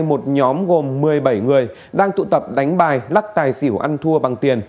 một nhóm gồm một mươi bảy người đang tụ tập đánh bài lắc tài xỉu ăn thua bằng tiền